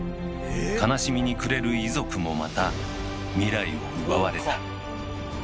悲しみに暮れる遺族もまた未来を奪われた。